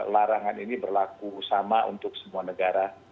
larangan ini berlaku sama untuk semua negara